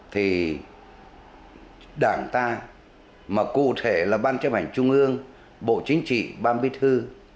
thì đảng ta mà cụ thể là ban chấp hành trung ương bộ chính trị ban bí thư